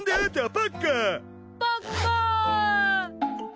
パッカー！